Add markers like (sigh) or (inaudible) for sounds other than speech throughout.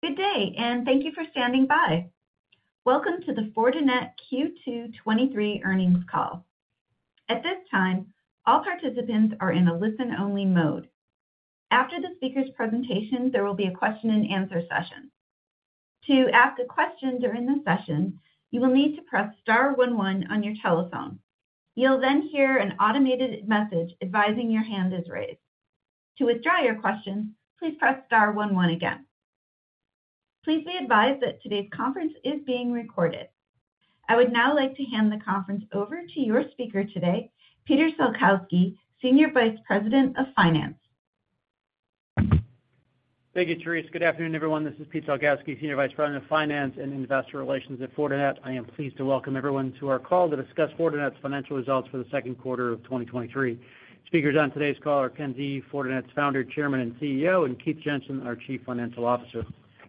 Good day, and thank you for standing by. Welcome to the Fortinet Q2 2023 earnings call. At this time, all participants are in a listen-only mode. After the speaker's presentation, there will be a Q&A session. To ask a question during the session, you will need to press star one one on your telephone. You'll then hear an automated message advising your hand is raised. To withdraw your question, please press star one one again. Please be advised that today's conference is being recorded. I would now like to hand the conference over to your speaker today, Peter Salkowski, Senior Vice President of Finance. Thank you, Teresa. Good afternoon, everyone. This is Pete Salkowski, Senior Vice President of Finance and Investor Relations at Fortinet. I am pleased to welcome everyone to our call to discuss Fortinet's financial results for the second quarter of 2023. Speakers on today's call are Ken Xie, Fortinet's Founder, Chairman, and CEO, and Keith Jensen, our Chief Financial Officer.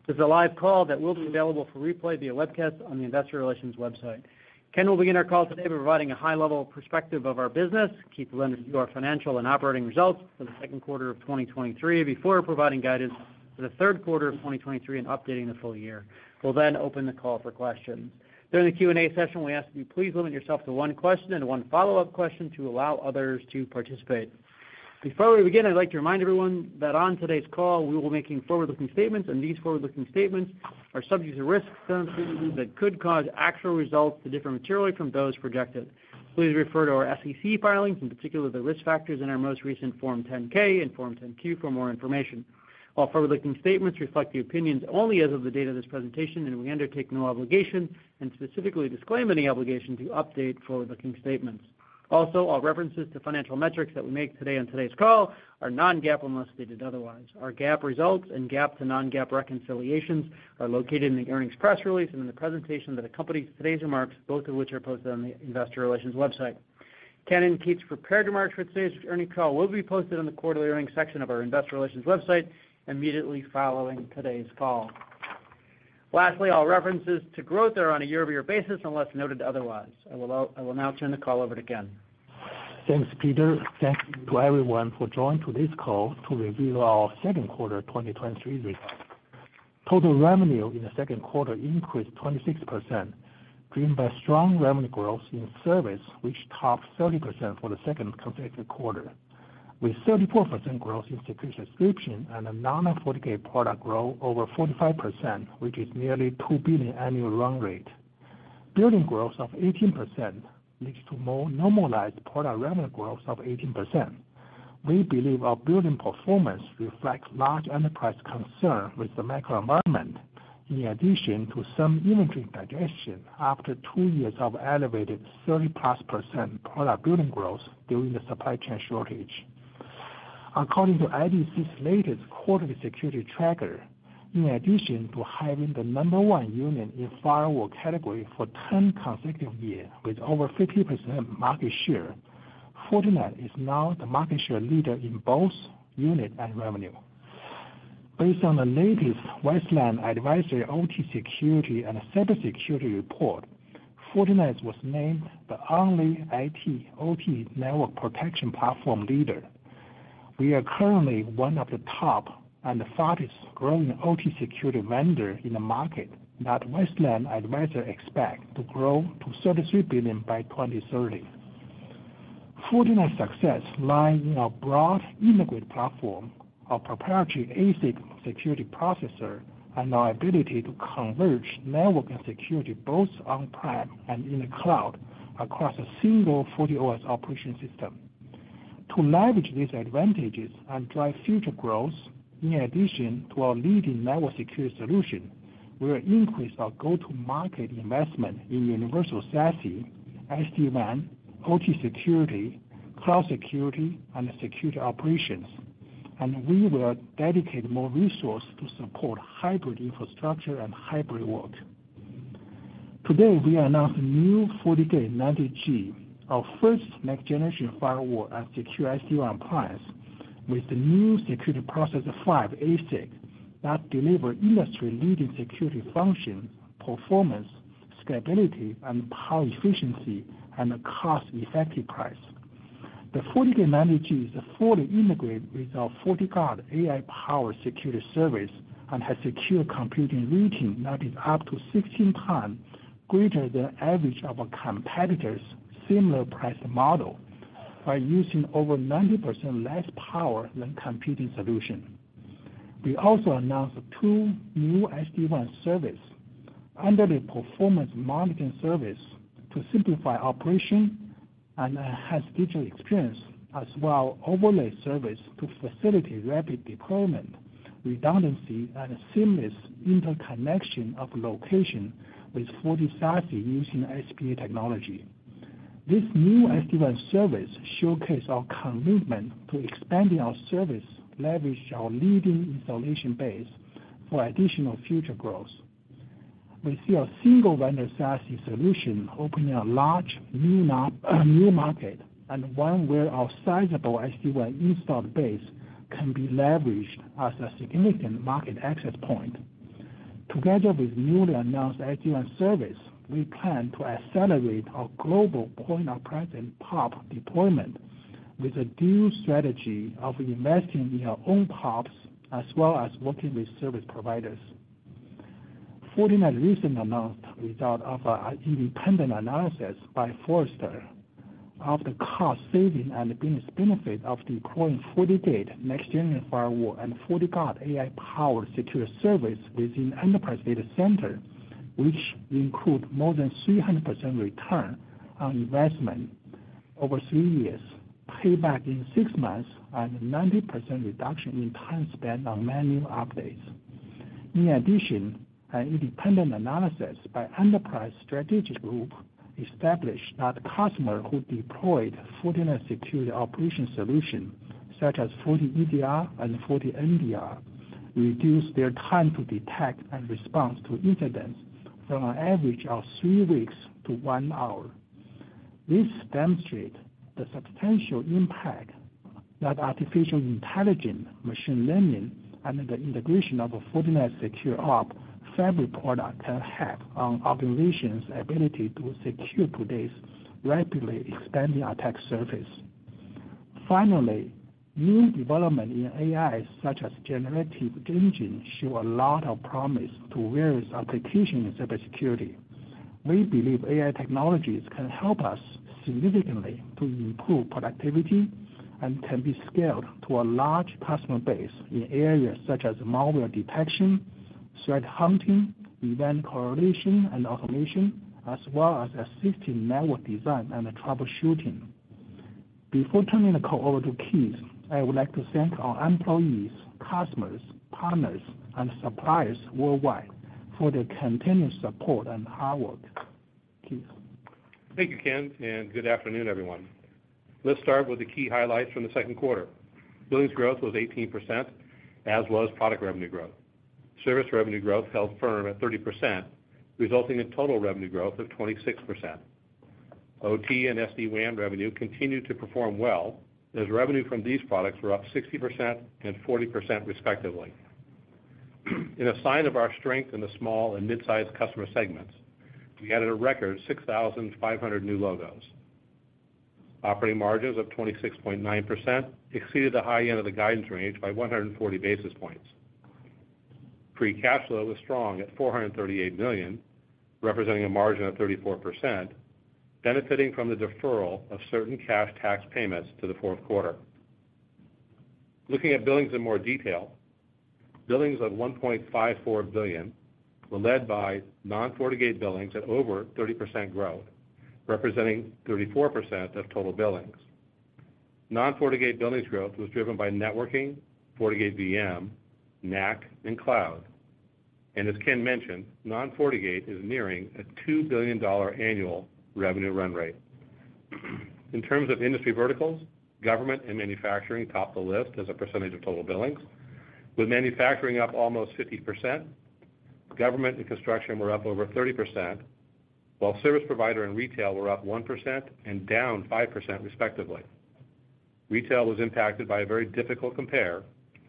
This is a live call that will be available for replay via webcast on the investor relations website. Ken will begin our call today by providing a high-level perspective of our business. Keith will review our financial and operating results for the second quarter of 2023 before providing guidance for the third quarter of 2023 and updating the full year. We'll open the call for questions. During the Q&A session, we ask that you please limit yourself to one question and one follow-up question to allow others to participate. Before we begin, I'd like to remind everyone that on today's call, we will be making forward-looking statements, and these forward-looking statements are subject to risks and uncertainties that could cause actual results to differ materially from those projected. Please refer to our SEC filings, in particular, the risk factors in our most recent Form 10-K and Form 10-Q for more information. All forward-looking statements reflect the opinions only as of the date of this presentation, and we undertake no obligation and specifically disclaim any obligation to update forward-looking statements. Also, all references to financial metrics that we make today on today's call are non-GAAP unless stated otherwise. Our GAAP results and GAAP to non-GAAP reconciliations are located in the earnings press release and in the presentation that accompanies today's remarks, both of which are posted on the investor relations website. Ken and Keith's prepared remarks for today's earnings call will be posted on the quarterly earnings section of our investor relations website immediately following today's call. Lastly, all references to growth are on a year-over-year basis, unless noted otherwise. I will now turn the call over to Ken. Thanks, Peter. Thank you to everyone for joining to this call to review our second quarter 2023 results. Total revenue in the second quarter increased 26%, driven by strong revenue growth in service, which topped 30% for the second consecutive quarter, with 34% growth in secure subscription and a non-FortiGate product growth over 45%, which is nearly $2 billion annual run rate. Building growth of 18% leads to more normalized product revenue growth of 18%. We believe our building performance reflects large enterprise concern with the macro environment, in addition to some inventory digestion after two years of elevated 30%+ product building growth during the supply chain shortage. According to IDC's latest quarterly security tracker, in addition to having the number one unit in firewall category for 10 consecutive years with over 50% market share, Fortinet is now the market share leader in both unit and revenue. Based on the latest Westlands Advisory OT Security and Cybersecurity Report, Fortinet was named the only IT, OT network protection platform leader. We are currently one of the top and the fastest-growing OT security vendor in the market, that Westlands Advisory expect to grow to $33 billion by 2030. Fortinet's success lies in our broad integrated platform, our proprietary ASIC security processor, and our ability to converge network and security, both on-prem and in the cloud, across a single FortiOS operating system. To leverage these advantages and drive future growth, in addition to our leading network security solution, we are increasing our go-to-market investment in universal SASE, SD-WAN, OT security, cloud security, and security operations, and we will dedicate more resources to support hybrid infrastructure and hybrid work. Today, we announced a new FortiGate 90G, our first next-generation firewall and secure SD-WAN appliance with the new Security Processor 5 ASIC that deliver industry-leading security function, performance, scalability, and power efficiency, and a cost-effective price. The FortiGate 90G is fully integrated with our FortiGuard AI-powered security service and has secure computing routing that is up to 16x greater than average of a competitor's similar price model by using over 90% less power than competing solution. We also announced two new SD-WAN service under the performance monitoring service to simplify operation and enhance digital experience, as well as overlay service to facilitate rapid deployment, redundancy, and seamless interconnection of location with FortiSASE using SPA technology. This new SD-WAN service showcase our commitment to expanding our service, leverage our leading installation base for additional future growth. We see a single vendor SASE solution opening a large new market, and one where our sizable SD-WAN installed base can be leveraged as a significant market access point. Together with newly announced SD-WAN service, we plan to accelerate our global point-of-presence POP deployment, with a dual strategy of investing in our own POPs as well as working with service providers. Fortinet recently announced the result of an independent analysis by Forrester of the cost saving and business benefit of deploying FortiGate next-generation firewall and FortiGuard AI-powered secure service within enterprise data center, which include more than 300% ROI over three years, payback in six months, and 90% reduction in time spent on manual updates. In addition, an independent analysis by Enterprise Strategy Group established that customer who deployed Fortinet security operation solution, such as FortiEDR and FortiNDR, reduced their time to detect and response to incidents from an average of three weeks to one hour. This demonstrates the substantial impact that artificial intelligence, machine learning, and the integration of a Fortinet secure op fabric product can have on organization's ability to secure today's rapidly expanding attack surface. Finally, new development in AI, such as generative engine, show a lot of promise to various applications in cybersecurity. We believe AI technologies can help us significantly to improve productivity and can be scaled to a large customer base in areas such as malware detection, threat hunting, event correlation, and automation, as well as assisting network design and troubleshooting. Before turning the call over to Keith, I would like to thank our employees, customers, partners, and suppliers worldwide for their continuous support and hard work. Keith? Thank you, Ken. Good afternoon, everyone. Let's start with the key highlights from the second quarter. Billings growth was 18%, as well as product revenue growth. Service revenue growth held firm at 30%, resulting in total revenue growth of 26%. OT and SD-WAN revenue continued to perform well, as revenue from these products were up 60% and 40%, respectively. In a sign of our strength in the small and mid-sized customer segments, we added a record 6,500 new logos. Operating margins of 26.9% exceeded the high end of the guidance range by 140 basis points. Free cash flow was strong at $438 million, representing a margin of 34%, benefiting from the deferral of certain cash tax payments to the fourth quarter. Looking at billings in more detail, billings of $1.54 billion were led by non-FortiGate billings at over 30% growth, representing 34% of total billings. Non-FortiGate billings growth was driven by networking, FortiGate VM, NAC, and cloud. As Ken mentioned, non-FortiGate is nearing a $2 billion annual revenue run rate. In terms of industry verticals, government and manufacturing topped the list as a percentage of total billings, with manufacturing up almost 50%, government and construction were up over 30%, while service provider and retail were up 1% and down 5%, respectively. Retail was impacted by a very difficult compare,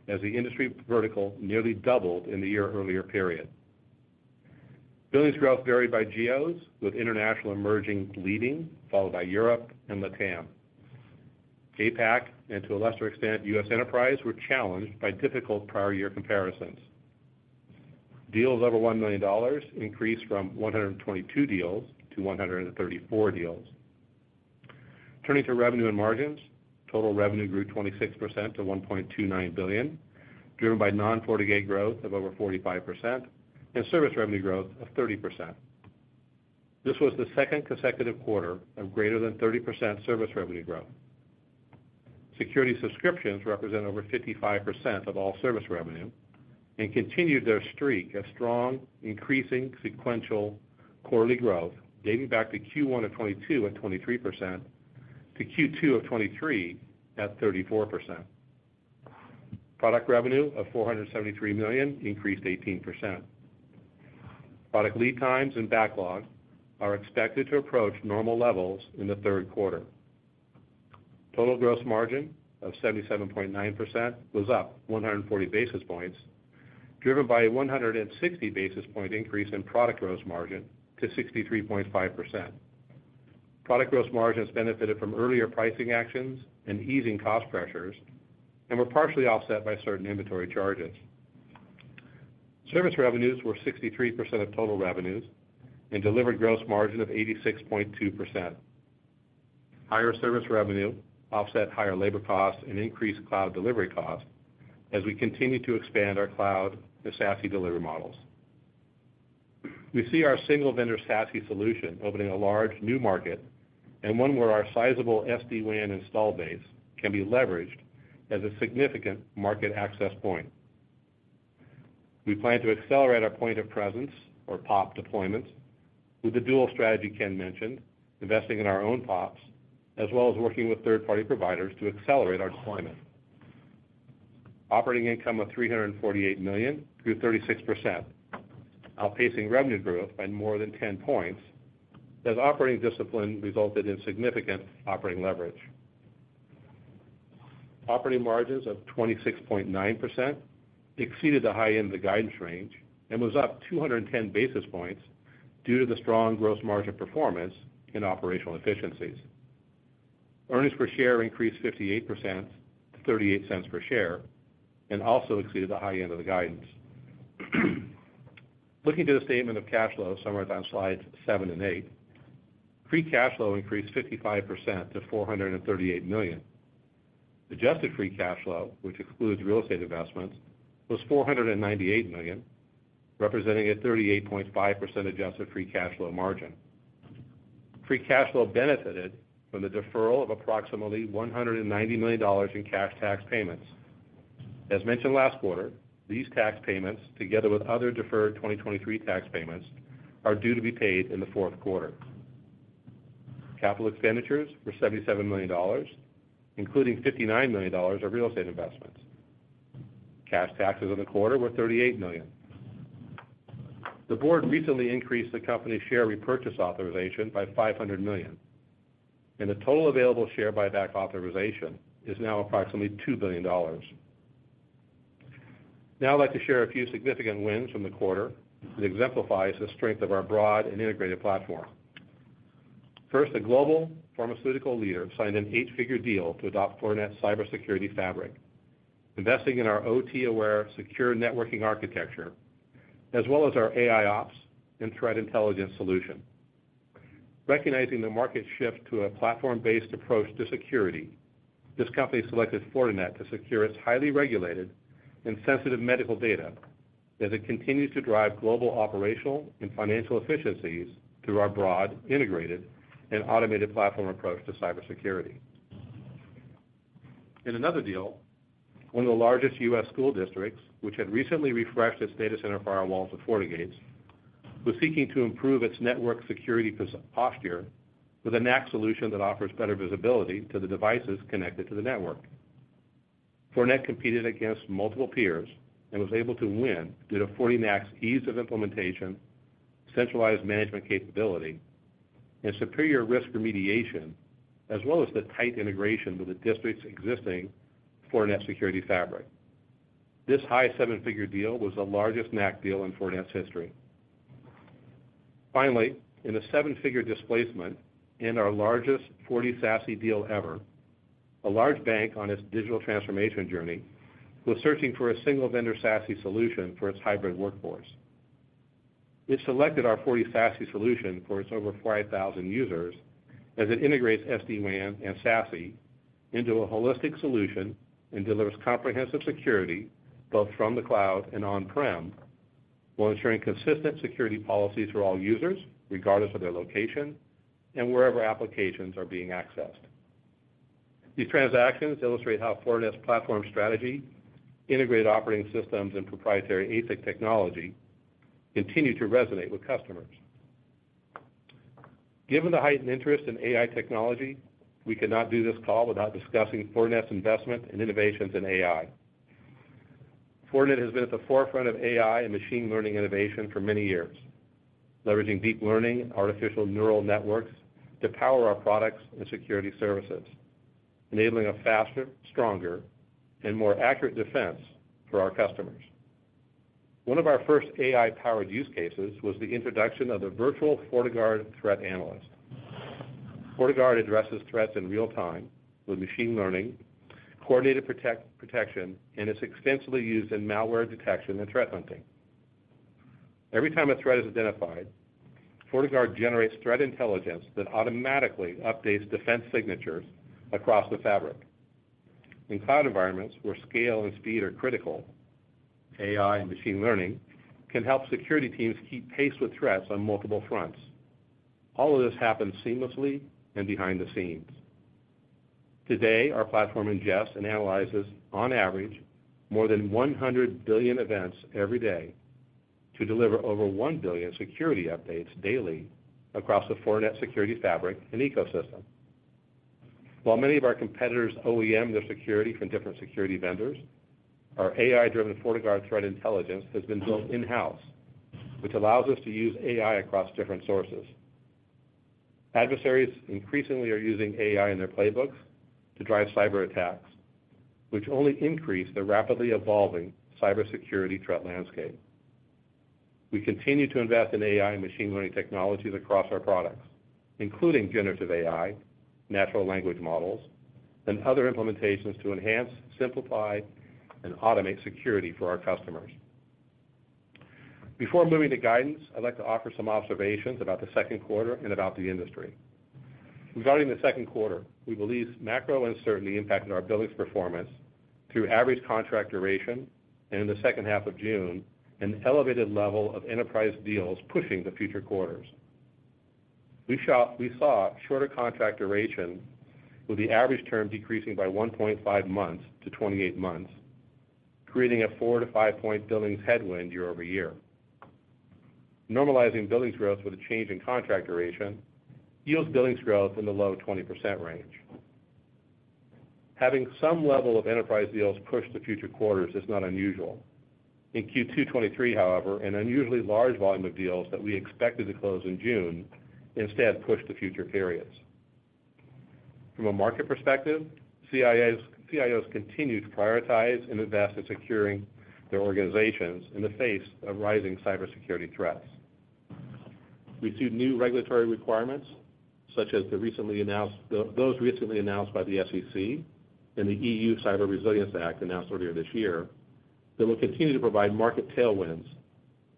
as the industry vertical nearly doubled in the year-earlier period. Billings growth varied by geos, with international emerging leading, followed by Europe and LATAM. APAC, and to a lesser extent, U.S. Enterprise, were challenged by difficult prior year comparisons. Deals over $1 million increased from 122 deals to 134 deals. Turning to revenue and margins, total revenue grew 26% to $1.29 billion, driven by non-FortiGate growth of over 45% and service revenue growth of 30%. This was the second consecutive quarter of greater than 30% service revenue growth. Security subscriptions represent over 55% of all service revenue and continued their streak of strong, increasing sequential quarterly growth, dating back to Q1 of 2022 at 23% to Q2 of 2023 at 34%. Product revenue of $473 million increased 18%. Product lead times and backlog are expected to approach normal levels in the third quarter. Total gross margin of 77.9% was up 140 basis points, driven by a 160 basis point increase in product gross margin to 63.5%. Product gross margins benefited from earlier pricing actions and easing cost pressures, and were partially offset by certain inventory charges. Service revenues were 63% of total revenues and delivered gross margin of 86.2%. Higher service revenue offset higher labor costs and increased cloud delivery costs as we continue to expand our cloud and SASE delivery models. We see our single-vendor SASE solution opening a large new market and one where our sizable SD-WAN install base can be leveraged as a significant market access point. We plan to accelerate our point of presence, or POP deployments, with the dual strategy Ken mentioned, investing in our own POPs, as well as working with third-party providers to accelerate our deployment. Operating income of $348 million grew 36%, outpacing revenue growth by more than 10 points, as operating discipline resulted in significant operating leverage. Operating margins of 26.9% exceeded the high end of the guidance range and was up 210 basis points due to the strong gross margin performance and operational efficiencies. Earnings per share increased 58% to $0.38 per share and also exceeded the high end of the guidance. Looking to the statement of cash flow, summarized on slides seven and eight, free cash flow increased 55% to $438 million. Adjusted free cash flow, which excludes real estate investments, was $498 million, representing a 38.5% adjusted free cash flow margin. Free cash flow benefited from the deferral of approximately $190 million in cash tax payments. As mentioned last quarter, these tax payments, together with other deferred 2023 tax payments, are due to be paid in the fourth quarter. Capital expenditures were $77 million, including $59 million of real estate investments. Cash taxes in the quarter were $38 million. The board recently increased the company's share repurchase authorization by $500 million, and the total available share buyback authorization is now approximately $2 billion. I'd like to share a few significant wins from the quarter that exemplifies the strength of our broad and integrated platform. First, a global pharmaceutical leader signed an eight-figure deal to adopt Fortinet's Security Fabric, investing in our OT-aware secure networking architecture, as well as our AIOps and threat intelligence solution. Recognizing the market shift to a platform-based approach to security, this company selected Fortinet to secure its highly regulated and sensitive medical data as it continues to drive global operational and financial efficiencies through our broad, integrated, and automated platform approach to cybersecurity. In another deal, one of the largest U.S. school districts, which had recently refreshed its data center firewalls with FortiGates, was seeking to improve its network security posture with a NAC solution that offers better visibility to the devices connected to the network. Fortinet competed against multiple peers and was able to win due to FortiNAC's ease of implementation, centralized management capability, and superior risk remediation, as well as the tight integration with the district's existing Fortinet Security Fabric. This high seven-figure deal was the largest NAC deal in Fortinet's history. Finally, in a seven-figure displacement, in our largest FortiSASE deal ever, a large bank on its digital transformation journey was searching for a single vendor SASE solution for its hybrid workforce. It selected our FortiSASE solution for its over 40,000 users, as it integrates SD-WAN and SASE into a holistic solution and delivers comprehensive security, both from the cloud and on-prem, while ensuring consistent security policies for all users, regardless of their location and wherever applications are being accessed. These transactions illustrate how Fortinet's platform strategy, integrated operating systems, and proprietary ASIC technology continue to resonate with customers. Given the heightened interest in AI technology, we could not do this call without discussing Fortinet's investment and innovations in AI. Fortinet has been at the forefront of AI and machine learning innovation for many years, leveraging deep learning and artificial neural networks to power our products and security services, enabling a faster, stronger, and more accurate defense for our customers. One of our first AI-powered use cases was the introduction of the virtual FortiGuard threat analyst. FortiGuard addresses threats in real time with machine learning, coordinated protection, and is extensively used in malware detection and threat hunting. Every time a threat is identified, FortiGuard generates threat intelligence that automatically updates defense signatures across the fabric. In cloud environments, where scale and speed are critical, AI and machine learning can help security teams keep pace with threats on multiple fronts. All of this happens seamlessly and behind the scenes. Today, our platform ingests and analyzes, on average, more than 100 billion events every day to deliver over 1 billion security updates daily across the Fortinet Security Fabric and ecosystem. While many of our competitors OEM their security from different security vendors, our AI-driven FortiGuard threat intelligence has been built in-house, which allows us to use AI across different sources. Adversaries increasingly are using AI in their playbooks to drive cyberattacks, which only increase the rapidly evolving cybersecurity threat landscape. We continue to invest in AI and machine learning technologies across our products, including generative AI, natural language models, and other implementations to enhance, simplify, and automate security for our customers. Before moving to guidance, I'd like to offer some observations about the second quarter and about the industry. Regarding the second quarter, we believe macro uncertainty impacted our billings performance through average contract duration, and in the second half of June, an elevated level of enterprise deals pushing to future quarters. We saw shorter contract durations, with the average term decreasing by 1.5 months to 28 months, creating a four-to-five-point billings headwind year-over-year. Normalizing billings growth with a change in contract duration yields billings growth in the low 20% range. Having some level of enterprise deals push to future quarters is not unusual. In Q2 2023, however, an unusually large volume of deals that we expected to close in June instead pushed to future periods. From a market perspective, CIOs continue to prioritize and invest in securing their organizations in the face of rising cybersecurity threats. We see new regulatory requirements, such as those recently announced by the SEC and the EU Cyber Resilience Act announced earlier this year, that will continue to provide market tailwinds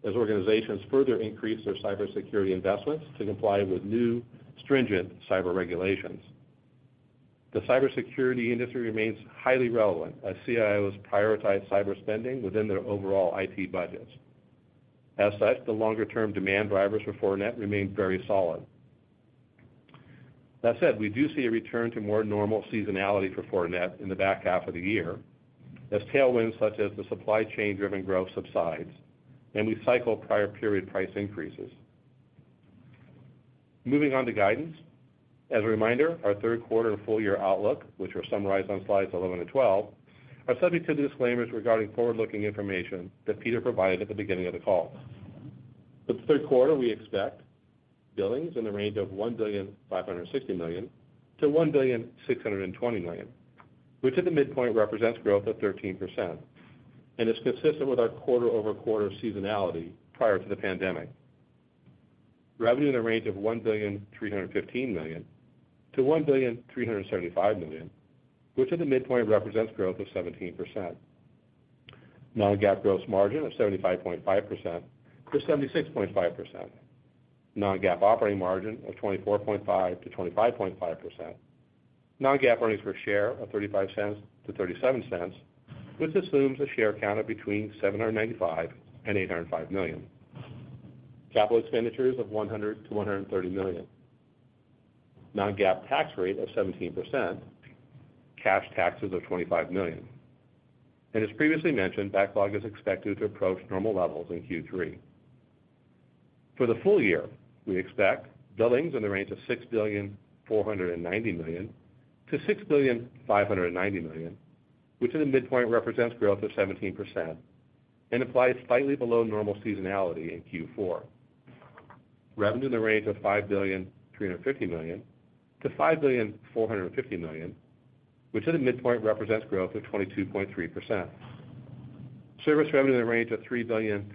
as organizations further increase their cybersecurity investments to comply with new stringent cyber regulations. The cybersecurity industry remains highly relevant as CIOs prioritize cyber spending within their overall IT budgets. As such, the longer-term demand drivers for Fortinet remain very solid. That said, we do see a return to more normal seasonality for Fortinet in the back half of the year, as tailwinds such as the supply chain-driven growth subsides, and we cycle prior period price increases. Moving on to guidance. As a reminder, our third quarter and full-year outlook, which are summarized on slides 11 and 12, are subject to the disclaimers regarding forward-looking information that Peter provided at the beginning of the call. For the third quarter, we expect billings in the range of $1.56 billion-$1.62 billion, which at the midpoint represents growth of 13% and is consistent with our quarter-over-quarter seasonality prior to the pandemic. Revenue in the range of $1.315 billion-$1.375 billion, which at the midpoint represents growth of 17%. Non-GAAP gross margin of 75.5%-76.5%. Non-GAAP operating margin of 24.5%-25.5%. Non-GAAP earnings per share of $0.35-$0.37, which assumes a share count of between 795 million and 805 million. Capital expenditures of $100 million-$130 million. Non-GAAP tax rate of 17%, cash taxes of $25 million. As previously mentioned, backlog is expected to approach normal levels in Q3. For the full year, we expect billings in the range of $6.49 billion-$6.59 billion, which at the midpoint represents growth of 17% and implies slightly below normal seasonality in Q4. Revenue in the range of $5.35 billion-$5.45 billion, which at the midpoint represents growth of 22.3%. Service revenue in the range of $3.35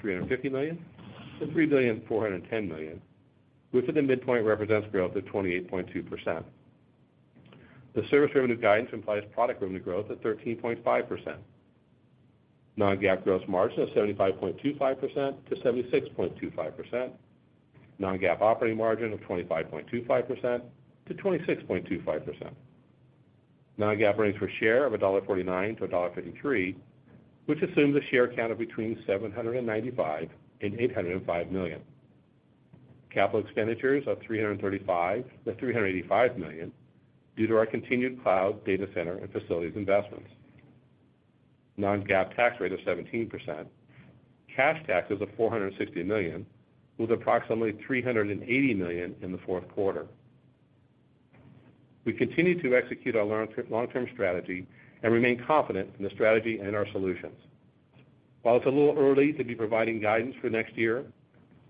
billion-$3.41 billion, which at the midpoint represents growth of 28.2%. The service revenue guidance implies product revenue growth of 13.5%. Non-GAAP gross margin of 75.25%-76.25%. Non-GAAP operating margin of 25.25%-26.25%. Non-GAAP earnings per share of $1.49-$1.53, which assumes a share count of between 795 million and 805 million. Capital expenditures of $335 million-$385 million due to our continued cloud, data center, and facilities investments. Non-GAAP tax rate of 17%. Cash taxes of $460 million, with approximately $380 million in the fourth quarter. We continue to execute our long-term, long-term strategy and remain confident in the strategy and our solutions. While it's a little early to be providing guidance for next year,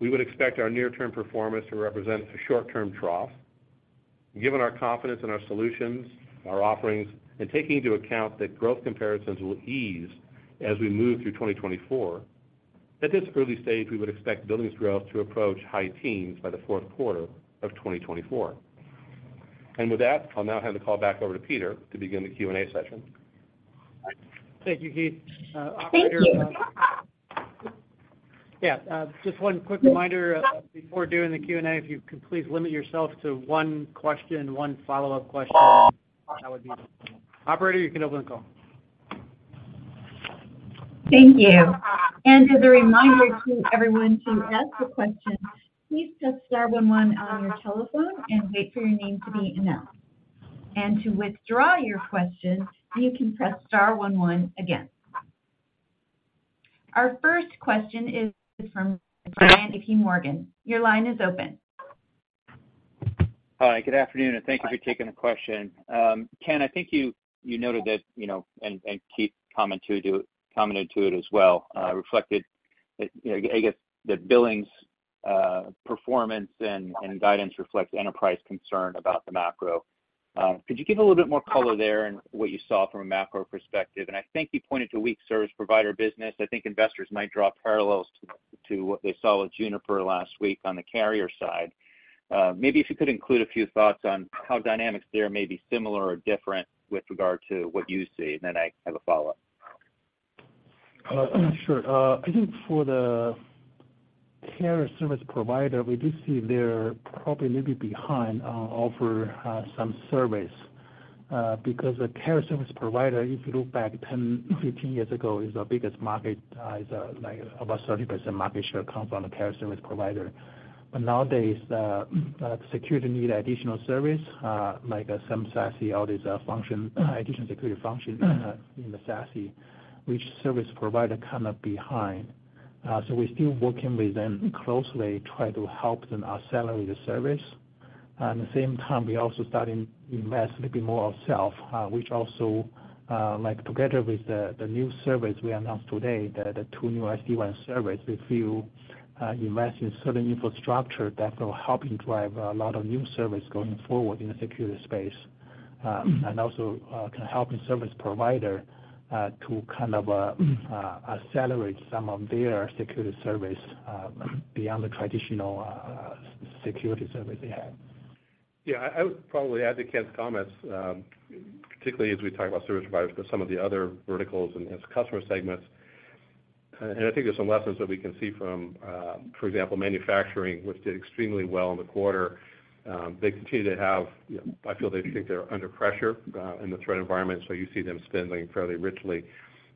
we would expect our near-term performance to represent a short-term trough. Given our confidence in our solutions, our offerings, and taking into account that growth comparisons will ease as we move through 2024, at this early stage, we would expect billings growth to approach high teens by the fourth quarter of 2024. With that, I'll now hand the call back over to Peter to begin the Q&A session. Thank you, Keith. Operator. Thank you. Yeah, just one quick reminder, before doing the Q&A, if you can please limit yourself to one question, one follow-up question, that would be helpful. Operator, you can open the call. Thank you. As a reminder to everyone to ask a question, please press star one one on your telephone and wait for your name to be announced. To withdraw your question, you can press star one one again. Our first question is from Brian (audio distortion) JP Morgan. Your line is open. Hi, good afternoon, and thank you for taking the question. Ken, I think you, you noted that, you know, and, and Keith commented to it, commented to it as well, reflected that, you know, I guess, the billings, performance and, and guidance reflects enterprise concern about the macro. Could you give a little bit more color there in what you saw from a macro perspective? I think you pointed to weak service provider business. I think investors might draw parallels to, to what they saw with Juniper last week on the carrier side. Maybe if you could include a few thoughts on how dynamics there may be similar or different with regard to what you see, and then I have a follow-up. Sure. I think for the carrier service provider, we do see they're probably a little bit behind on offer, some service. A carrier service provider, if you look back 10, 15 years ago, is our biggest market. is, like about 30% market share comes from the carrier service provider. Nowadays, security need additional service, like some SASE, all these, function, additional security function in the SASE, which service provider kind of behind. We're still working with them closely, try to help them accelerate the service. The same time, we also starting to invest a little bit more ourselves, which also, like together with the new service we announced today, the two new SD-WAN service, we feel, invest in certain infrastructure that will helping drive a lot of new service going forward in the security space. Also, can help the service provider to kind of accelerate some of their security service beyond the traditional security service they have. Yeah, I, I would probably add to Ken's comments, particularly as we talk about service providers, but some of the other verticals and its customer segments. I think there's some lessons that we can see from, for example, manufacturing, which did extremely well in the quarter. They continue to have, you know, I feel they think they're under pressure, in the threat environment, so you see them spending fairly richly.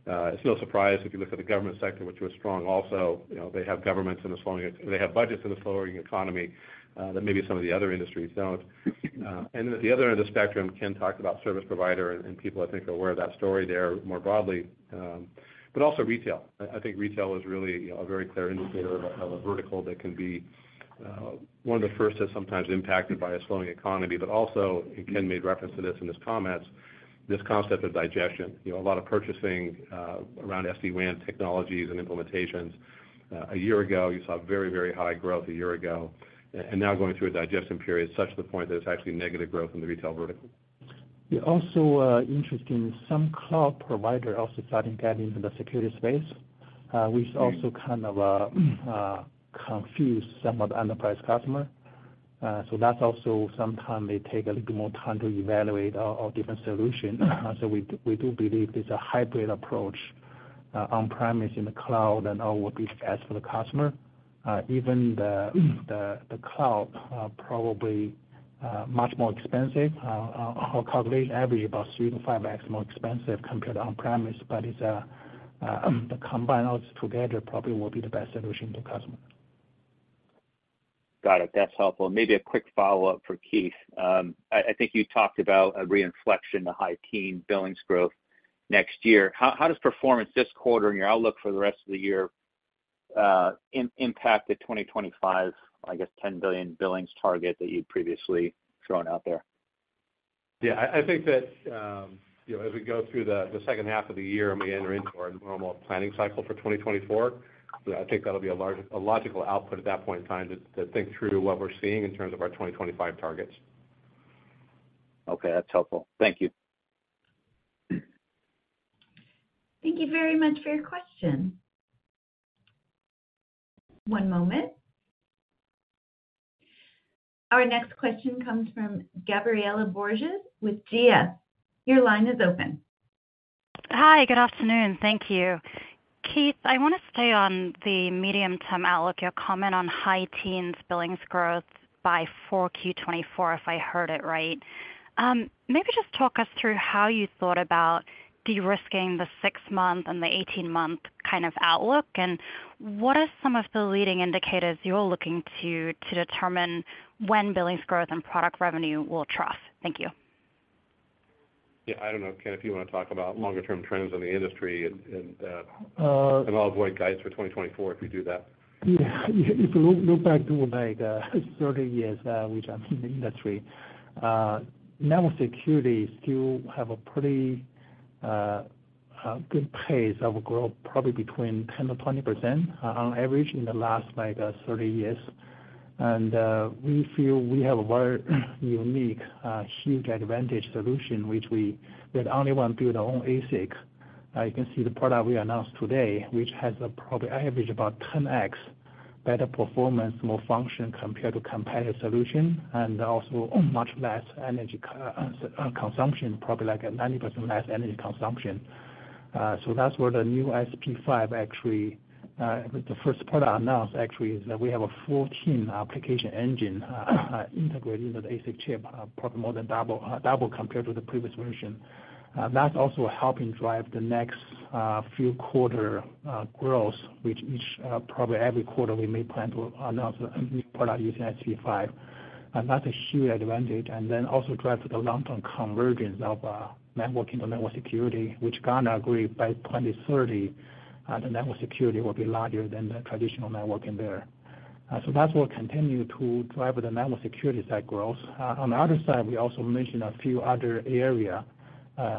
It's no surprise if you look at the government sector, which was strong also, you know, they have budgets in a slowing economy, that maybe some of the other industries don't. At the other end of the spectrum, Ken talked about service provider, and people, I think, are aware of that story there more broadly, but also retail. I think retail is really, you know, a very clear indicator of a vertical that can be one of the first that's sometimes impacted by a slowing economy. Also, and Ken made reference to this in his comments, this concept of digestion. You know, a lot of purchasing around SD-WAN technologies and implementations. A year ago, you saw very, very high growth a year ago, and now going through a digestion period, such to the point that it's actually negative growth in the retail vertical. Also, interesting, some cloud provider also starting to get into the security space, which also kind of, confuse some of the enterprise customer. That's also sometime may take a little bit more time to evaluate our, our different solution. We do, we do believe there's a hybrid approach, on-premises in the cloud and how would be best for the customer. Even the cloud, probably, much more expensive, or calculate average about 3x to 5x more expensive compared to on-premises, but it's, the combine all together probably will be the best solution to customer. Got it. That's helpful. Maybe a quick follow-up for Keith. I think you talked about a re-inflection, the high teen billings growth next year. How, how does performance this quarter in your outlook for the rest of the year, impact the 2025, I guess, $10 billion billings target that you'd previously thrown out there? Yeah, I, I think that, you know, as we go through the, the second half of the year and we enter into our normal planning cycle for 2024, I think that'll be a logical output at that point in time to, to think through to what we're seeing in terms of our 2025 targets. Okay, that's helpful. Thank you. Thank you very much for your question. One moment. Our next question comes from Gabriela Borges with Goldman Sachs. Your line is open. Hi, good afternoon. Thank you. Keith, I want to stay on the medium-term outlook, your comment on high teens billings growth by 4Q 2024, if I heard it right. Maybe just talk us through how you thought about de-risking the six-month and the 18-month kind of outlook, and what are some of the leading indicators you're looking to, to determine when billings growth and product revenue will trough? Thank you. Yeah, I don't know, Ken, if you want to talk about longer term trends in the industry and, and... Uh. I'll avoid guides for 2024 if you do that. Yeah. If you look back to like, 30 years, which I'm in the industry, network security still have a pretty, good pace of growth, probably between 10%-20% on average in the last, like, 30 years. We feel we have a very unique, huge advantage solution, which we're the only one build our own ASIC. You can see the product we announced today, which has a probably average about 10x, better performance, more function compared to competitive solution, and also much less energy consumption, probably like a 90% less energy consumption. That's where the new SP5 actually, the first product announced actually, is that we have a full team application engine, integrated with ASIC chip, probably more than double compared to the previous version. That's also helping drive the next few quarter growth, which each, probably every quarter we may plan to announce a new product using SP5. That's a huge advantage, then also drive to the long-term convergence of networking and network security, which going to agree by 2030, the network security will be larger than the traditional networking there. That will continue to drive the network security side growth. On the other side, we also mentioned a few other area,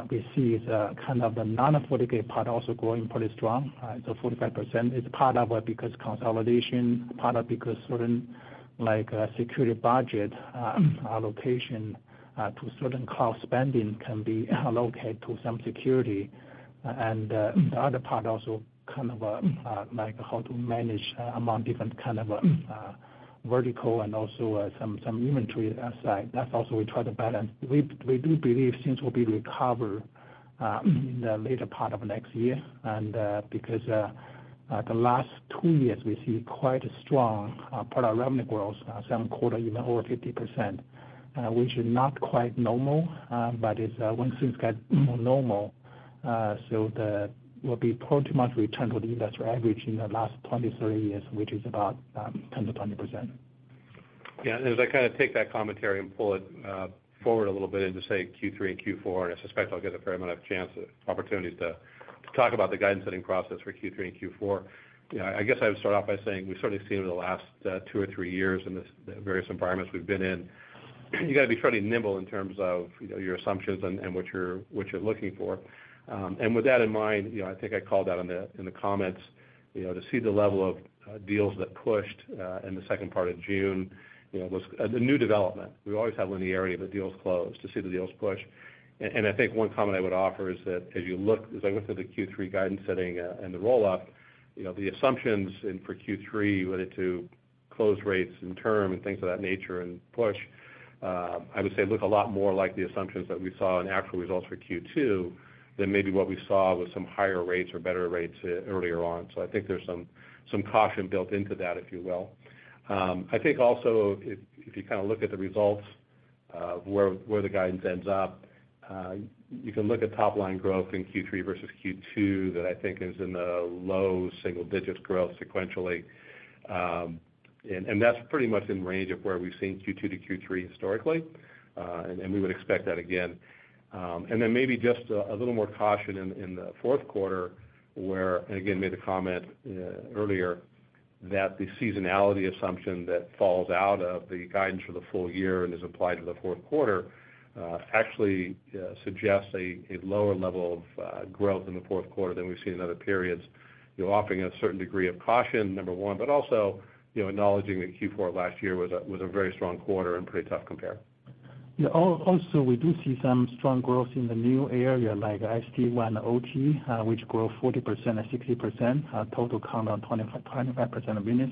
we see the kind of the non-FortiGate part also growing pretty strong. 45% is part of it because consolidation, part of it because certain, like, security budget allocation to certain cloud spending can be allocated to some security. The other part also kind of, like how to manage among different kind of, vertical and also, some, some inventory side. That's also we try to balance. We, we do believe things will be recovered in the later part of next year. Because the last two years, we see quite a strong product revenue growth, some quarter even over 50%, which is not quite normal, but once things get more normal, so will be pretty much return to the investor average in the last 20, 30 years, which is about 10%-20%. Yeah, as I kind of take that commentary and pull it forward a little bit into, say, Q3 and Q4, I suspect I'll get a fair amount of chance, opportunities to, to talk about the guidance-setting process for Q3 and Q4. You know, I guess I would start off by saying we've certainly seen over the last two or three years in this, the various environments we've been in... you got to be fairly nimble in terms of, you know, your assumptions and, and what you're, what you're looking for. With that in mind, you know, I think I called out on the, in the comments, you know, to see the level of deals that pushed in the second part of June, you know, was the new development. We always have linearity when the deals close, to see the deals push. I think one comment I would offer is that as I look through the Q3 guidance setting, and the roll-up, you know, the assumptions and for Q3 related to close rates and term and things of that nature and push, I would say, look a lot more like the assumptions that we saw in actual results for Q2 than maybe what we saw with some higher rates or better rates earlier on. I think there's some, some caution built into that, if you will. I think also, if, if you kind of look at the results, where, where the guidance ends up, you can look at top line growth in Q3 versus Q2, that I think is in the low single digits growth sequentially. That's pretty much in range of where we've seen Q2 to Q3 historically. We would expect that again. Then maybe just a little more caution in the fourth quarter, where, and again, I made a comment earlier, that the seasonality assumption that falls out of the guidance for the full year and is applied to the fourth quarter, actually, suggests a lower level of growth in the fourth quarter than we've seen in other periods. You're offering a certain degree of caution, number one, but also, you know, acknowledging that Q4 last year was a very strong quarter and pretty tough compare. Yeah, also, we do see some strong growth in the new area, like SD-WAN, OT, which grew 40% and 60%, total count on 25% of units.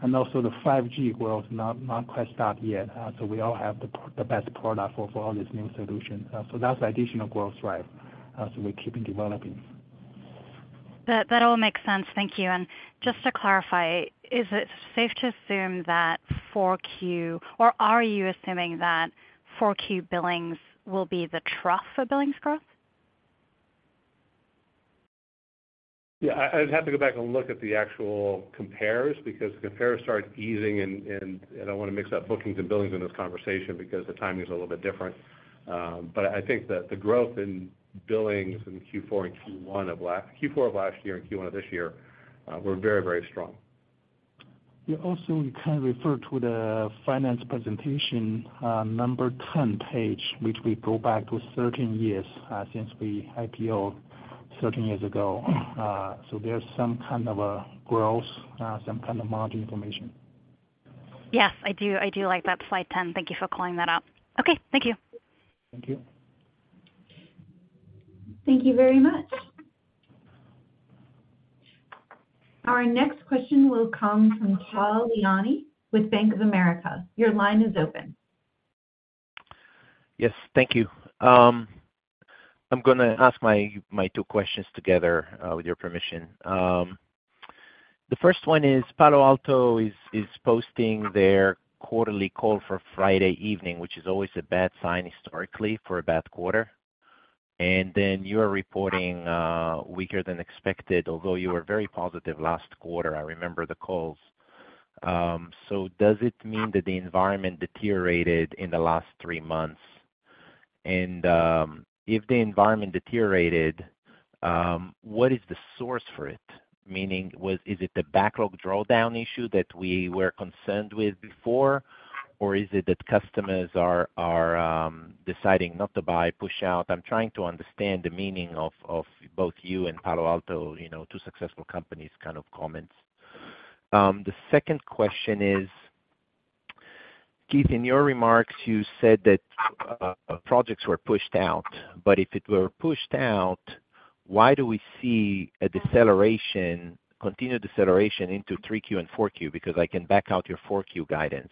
The 5G growth, not, not quite start yet. So we all have the best product for, for all these new solutions. So that's additional growth drive, so we're keeping developing. That, that all makes sense. Thank you. Just to clarify, is it safe to assume that 4Q or are you assuming that 4Q billings will be the trough for billings growth? Yeah, I, I'd have to go back and look at the actual compares, because compares start easing, and, and, I don't want to mix up bookings and billings in this conversation because the timing is a little bit different. I think that the growth in billings in Q4 and Q1 of last year and Q1 of this year were very, very strong. Yeah, also, you can refer to the finance presentation, number 10 page, which we go back to 13 years, since we IPOed 13 years ago. There's some kind of a growth, some kind of margin information. Yes, I do. I do like that, slide 10. Thank you for calling that out. Okay. Thank you. Thank you. Thank you very much. Our next question will come from Tal Liani with Bank of America. Your line is open. Yes, thank you. I'm going to ask my two questions together, with your permission. The first one is, Palo Alto is, is posting their quarterly call for Friday evening, which is always a bad sign historically for a bad quarter. Then you are reporting weaker than expected, although you were very positive last quarter, I remember the calls. Does it mean that the environment deteriorated in the last three months? If the environment deteriorated, what is the source for it? Meaning, is it the backlog drawdown issue that we were concerned with before? Or is it that customers are, are deciding not to buy, push out? I'm trying to understand the meaning of, of both you and Palo Alto, you know, two successful companies' kind of comments. The second question is, Keith, in your remarks, you said that projects were pushed out. If it were pushed out, why do we see a deceleration, continued deceleration into 3Q and 4Q? I can back out your 4Q guidance,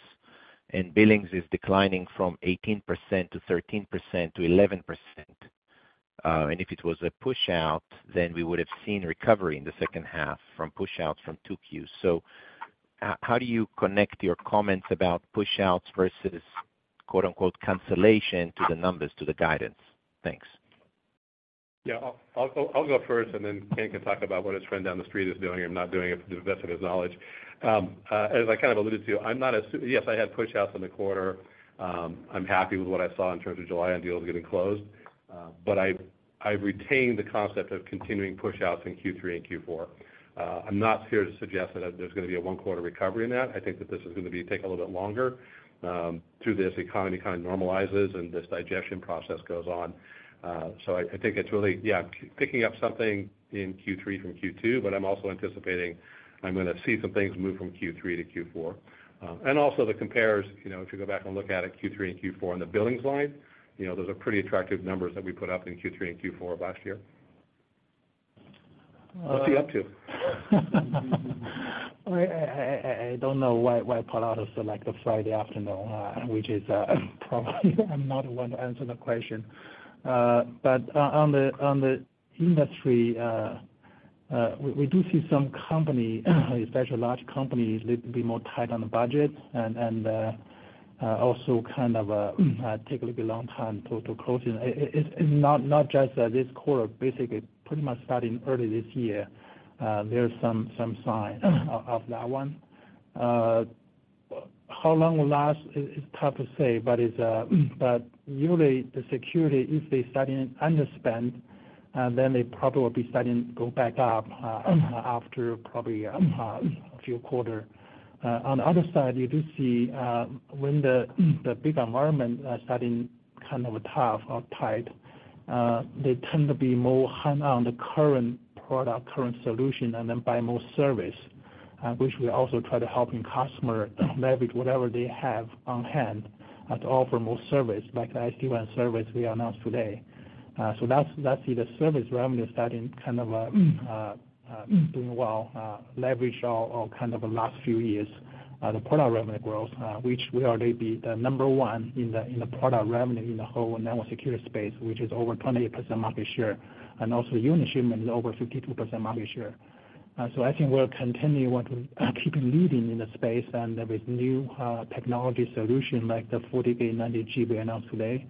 and billings is declining from 18% to 13% to 11%. If it was a pushout, then we would have seen recovery in the second half from pushouts from 2Q's. How do you connect your comments about pushouts versus, quote, unquote, "cancellation" to the numbers, to the guidance? Thanks. Yeah, I'll, I'll go, I'll go first. Ken can talk about what his friend down the street is doing or not doing it to the best of his knowledge. As I kind of alluded to, I'm not, yes, I had pushouts in the quarter. I'm happy with what I saw in terms of July and deals getting closed. I, I retained the concept of continuing pushouts in Q3 and Q4. I'm not here to suggest that there's going to be a one-quarter recovery in that. I think that this is going to take a little bit longer through this economy, kind of normalizes, and this digestion process goes on. I, I think it's really, yeah, picking up something in Q3 from Q2, but I'm also anticipating I'm going to see some things move from Q3 to Q4. Also the compares, you know, if you go back and look at it, Q3 and Q4 in the billings line, you know, those are pretty attractive numbers that we put up in Q3 and Q4 of last year. Uh- What's he up to? I don't know why, why Palo Alto select a Friday afternoon, which is probably, I'm not the one to answer the question. On the, on the industry, we, we do see some company, especially large companies, little bit tighter on the budget and, also kind of, take a little bit long time to, to close in. It's, it's not, not just, this quarter, basically pretty much starting early this year, there are some, some signs of, of that one. How long it will last? It's tough to say, but it's, but usually the security, if they starting to underspend. Then they probably will be starting to go back up, after probably, a few quarter. On the other side, you do see when the, the big environment starting kind of tough or tight, they tend to be more hung on the current product, current solution, and then buy more service, which we also try to helping customer leverage whatever they have on hand to offer more service, like the SD-WAN service we announced today. That's, that's the service revenue starting kind of doing well, leverage all, all kind of the last few years. The product revenue growth, which we already be the number one in the, in the product revenue in the whole network security space, which is over 28% market share, and also unit shipment is over 52% market share. I think we'll continue what we keeping leading in the space and with new technology solution like the FortiGate 90G we announced today.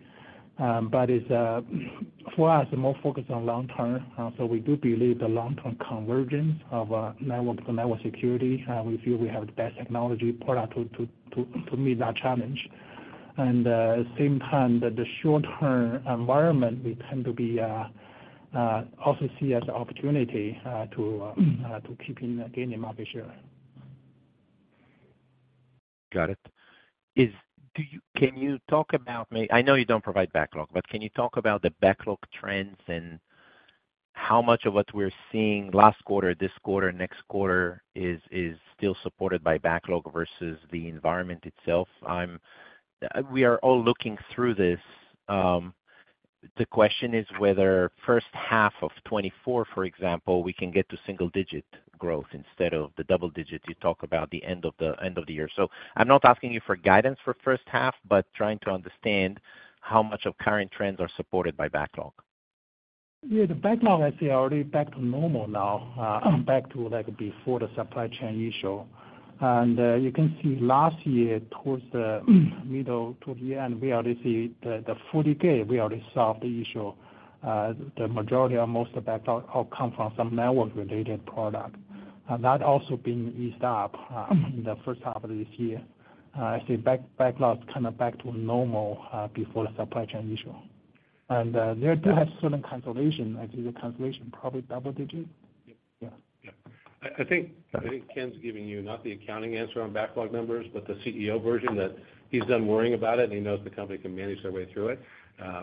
It's for us, more focused on long term. We do believe the long-term convergence of network to network security, we feel we have the best technology product to meet that challenge. At the same time, that the short-term environment, we tend to be also see as an opportunity to keeping gaining market share. Got it. Do you, can you talk about I know you don't provide backlog, but can you talk about the backlog trends and how much of what we're seeing last quarter, this quarter, next quarter is, is still supported by backlog versus the environment itself? We are all looking through this, the question is whether first half of 2024, for example, we can get to single digit growth instead of the double digits you talk about the end of the, end of the year. I'm not asking you for guidance for first half, but trying to understand how much of current trends are supported by backlog. Yeah, the backlog, I say, already back to normal now, back to, like, before the supply chain issue. You can see last year, towards the middle to the end, we already see the, the FortiGate, we already solved the issue. The majority of most of the backlog all come from some network-related product. That also been eased up in the first half of this year. I say backlogs kind of back to normal before the supply chain issue. There do have certain consolidation. I see the consolidation, probably double digits. Yeah. Yeah. Yeah. I, I think, I think Ken's giving you not the accounting answer on backlog numbers, but the CEO version, that he's done worrying about it, and he knows the company can manage their way through it.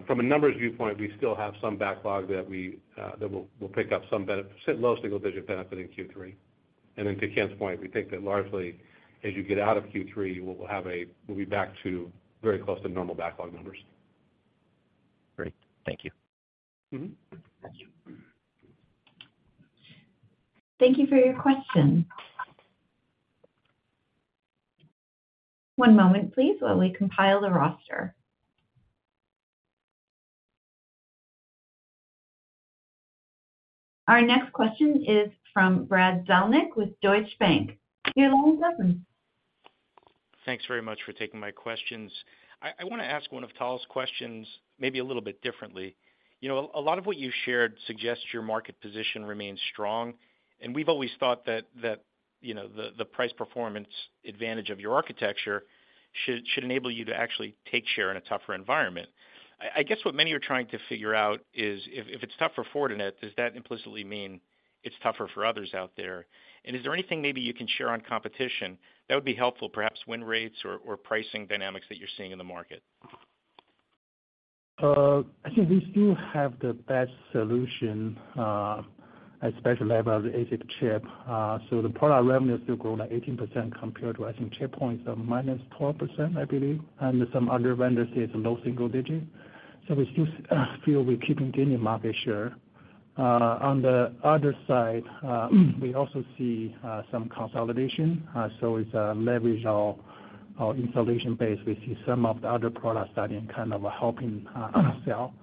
From a numbers viewpoint, we still have some backlog that we will pick up some low single digit benefit in Q3. To Ken's point, we think that largely as you get out of Q3, we'll be back to very close to normal backlog numbers. Great. Thank you. Mm-hmm. Thank you. Thank you for your question. One moment, please, while we compile the roster. Our next question is from Brad Zelnick with Deutsche Bank. You're on, welcome. Thanks very much for taking my questions. I want to ask one of Tal's questions maybe a little bit differently. You know, a lot of what you shared suggests your market position remains strong, and we've always thought that, you know, the price performance advantage of your architecture, should enable you to actually take share in a tougher environment. I guess what many are trying to figure out is if, if it's tough for Fortinet, does that implicitly mean it's tougher for others out there? Is there anything maybe you can share on competition? That would be helpful, perhaps win rates or pricing dynamics that you're seeing in the market. I think we still have the best solution, especially level of the ASIC chip. The product revenue is still growing at 18% compared to, I think, Check Point, so -12%, I believe, and some other vendors see its low single digit. We still feel we're keeping gaining market share. On the other side, we also see some consolidation, so it's leveraged our, our installation base. We see some of the other products that are kind of helping sell.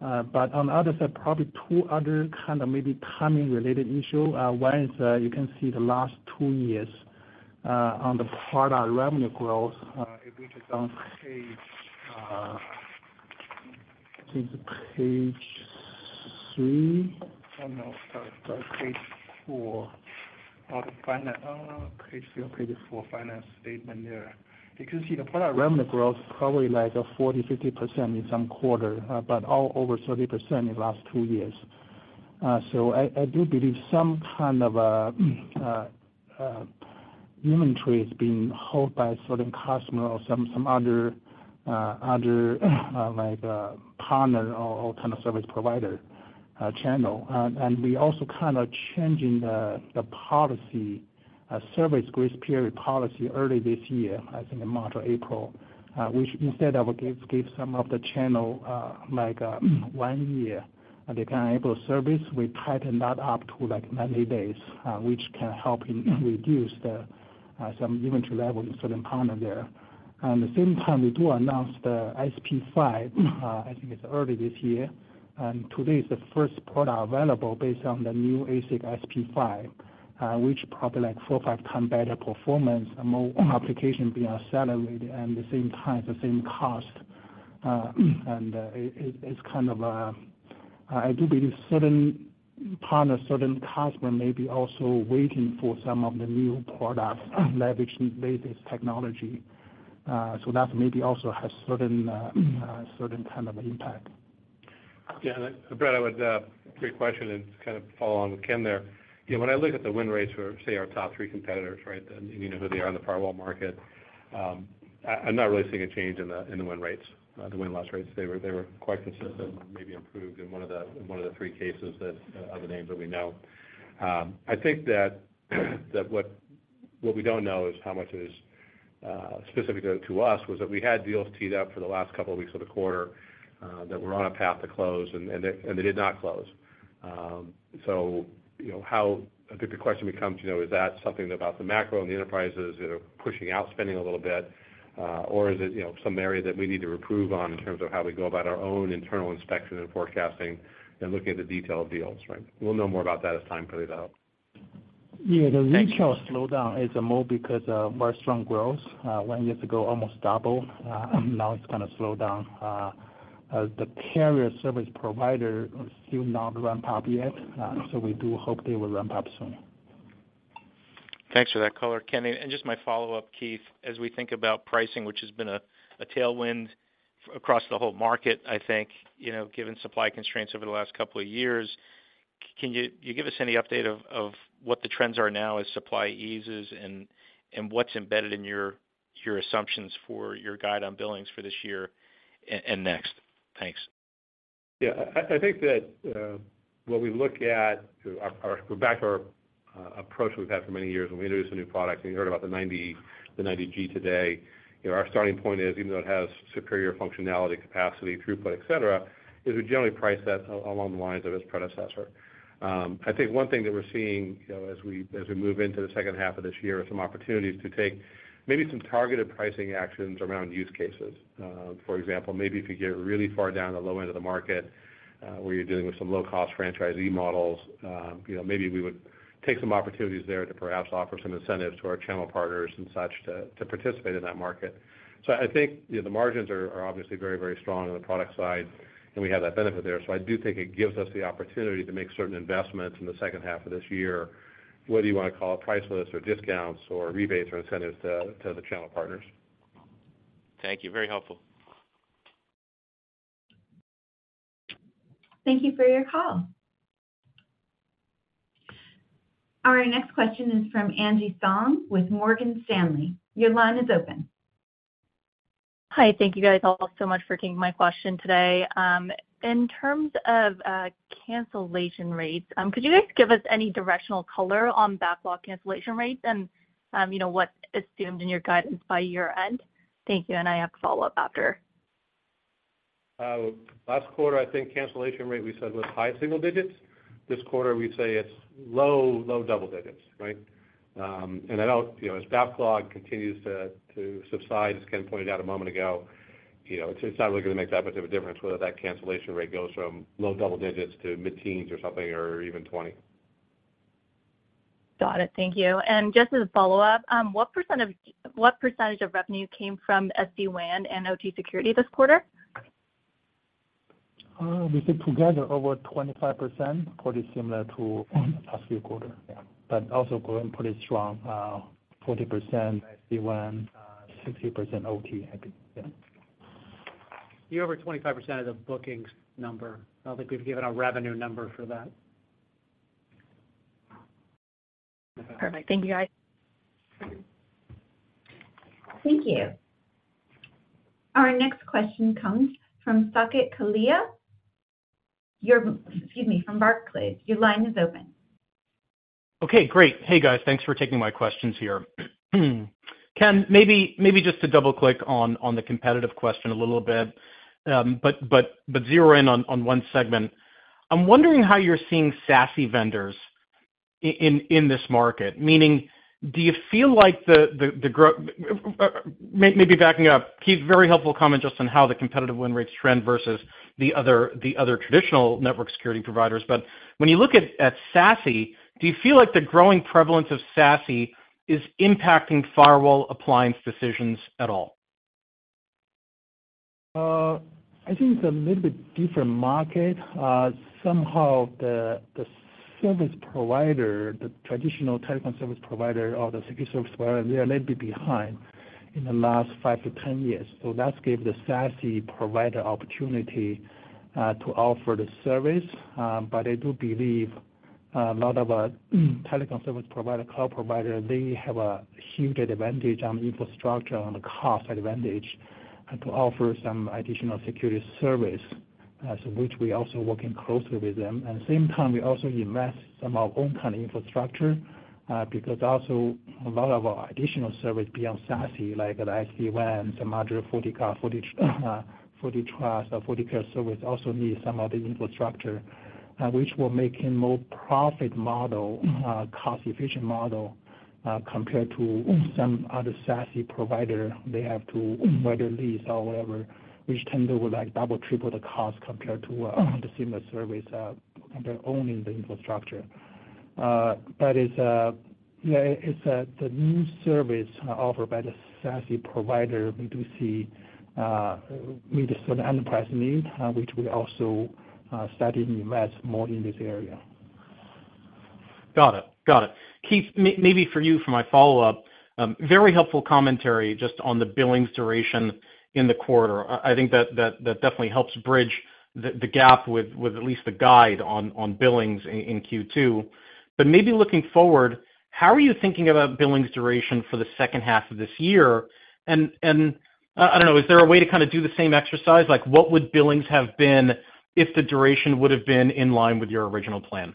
On the other side, probably two other kind of maybe timing-related issue. One is, you can see the last two years, on the product revenue growth, if we just on page, I think page three. Oh, no, sorry, page four. Finance... page three or page four, finance statement there. You know, product revenue growth, probably like a 40%, 50% in some quarter, but all over 30% in last two years. I, I do believe some kind of an inventory is being held by certain customer or some, some other partner or kind of service provider channel. We're also kind of changing the, the policy, service grace period policy early this year, I think in March or April, which instead of give some of the channel one year, and they can enable service, we tighten that up to, like, 90 days, which can help in reduce the some inventory level in certain partner there. The same time, we do announce the SP5, I think it's early this year, and today is the first product available based on the new ASIC SP5, which probably like 4x or 5x better performance and more application being accelerated and the same time, the same cost. It's kind of, I do believe a certain customer may be also waiting for some of the new products leveraging latest technology. That maybe also has certain, certain kind of impact. Yeah, Brad, I would, great question, and to kind of follow on with Ken there. You know, when I look at the win rates for, say, our top three competitors, right, then you know who they are in the firewall market, I, I'm not really seeing a change in the, in the win rates, the win-loss rates. They were, they were quite consistent, maybe improved in one of the three cases that of the names that we know. I think that, that what, what we don't know is how much is specific to, to us, was that we had deals teed up for the last couple of weeks of the quarter, that were on a path to close, and, and they, and they did not close. You know, how- I think the question becomes, you know, is that something about the macro and the enterprises that are pushing out spending a little bit, or is it, you know, some area that we need to improve on in terms of how we go about our own internal inspection and forecasting and looking at the detailed deals, right? We'll know more about that as time plays out. Yeah, the retail slowdown is more because of our strong growth. One year ago, almost double, now it's kind of slowed down. As the carrier service provider is still not ramp up yet, we do hope they will ramp up soon. Thanks for that color, Ken. Just my follow-up, Keith, as we think about pricing, which has been a tailwind across the whole market, I think, you know, given supply constraints over the last two years, can you give us any update of what the trends are now as supply eases and what's embedded in your assumptions for your guide on billings for this year and next? Thanks. Yeah, I, I think that, when we look at our, our- go back to our, approach we've had for many years, when we introduce a new product, and you heard about the 90, the 90G today, you know, our starting point is, even though it has superior functionality, capacity, throughput, et cetera, is we generally price that a- along the lines of its predecessor. I think one thing that we're seeing, you know, as we move into the second half of this year, is some opportunities to take maybe some targeted pricing actions around use cases. For example, maybe if you get really far down the low end of the market, where you're dealing with some low-cost franchisee models, you know, maybe we would take some opportunities there to perhaps offer some incentives to our channel partners and such to participate in that market. I think, you know, the margins are, are obviously very, very strong on the product side, and we have that benefit there. I do think it gives us the opportunity to make certain investments in the second half of this year, whether you want to call it price lists or discounts or rebates or incentives to the channel partners. Thank you. Very helpful. Thank you for your call. Our next question is from Angie Song with Morgan Stanley. Your line is open. Hi, thank you guys all so much for taking my question today. In terms of cancellation rates, could you guys give us any directional color on backlog cancellation rates and, you know, what is assumed in your guidance by year-end? Thank you. I have a follow-up after. Last quarter, I think cancellation rate we said was high single digits. This quarter, we say it's low double digits, right? And I don't, you know, as backlog continues to subside, as Ken pointed out a moment ago, you know, it's not really going to make that much of a difference whether that cancellation rate goes from low double digits to mid-teens or something, or even 20. Got it. Thank you. Just as a follow-up, what percentage of revenue came from SD-WAN and OT security this quarter? We think together over 25%, pretty similar to last few quarter. Yeah. Also growing pretty strong, 40% SD-WAN, 60% OT, I think. Yeah. The over 25% is a bookings number. I don't think we've given a revenue number for that. Perfect. Thank you, guys. Thank you. Our next question comes from Saket Kalia. Excuse me, from Barclays. Your line is open. Okay, great. Hey, guys. Thanks for taking my questions here. Ken, maybe just to double-click on, on the competitive question a little bit, zero in on one segment. I'm wondering how you're seeing SASE vendors in this market. Meaning, do you feel like maybe backing up, Keith, very helpful comment just on how the competitive win rates trend versus the other traditional network security providers. When you look at, at SASE, do you feel like the growing prevalence of SASE is impacting firewall appliance decisions at all? I think it's a little bit different market. Somehow, the service provider, the traditional telecom service provider or the security service provider, they are a little bit behind in the last five to 10 years. That's gave the SASE provider opportunity to offer the service. But I do believe a lot of telecom service provider, cloud provider, they have a huge advantage on infrastructure, on the cost advantage to offer some additional security service, so which we're also working closely with them. At the same time, we also invest in our own kind of infrastructure, because also a lot of our additional service beyond SASE, like the SD-WAN, some module FortiTrust or FortiCare service, also need some of the infrastructure, which will make a more profit model, cost-efficient model, compared to some other SASE provider. They have to whether lease or whatever, which tend to like double, triple the cost compared to the similar service, compared to owning the infrastructure. It's, yeah, it's a, the new service offered by the SASE provider, we do see, meet certain enterprise need, which we also, study and invest more in this area. Got it. Got it. Keith, maybe for you for my follow-up, very helpful commentary just on the billings duration in the quarter. I, I think that definitely helps bridge the, the gap with, with at least the guide on, on billings in, in Q2. Maybe looking forward, how are you thinking about billings duration for the second half of this year? I don't know, is there a way to kind of do the same exercise? Like, what would billings have been if the duration would have been in line with your original plan?